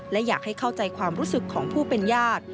และอยากให้เข้าใจความรู้สึกของผู้เป็นญาติ